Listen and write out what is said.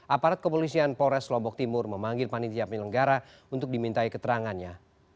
aparat kepolisian polres lombok timur memanggil panitia penyelenggara untuk dimintai keterangannya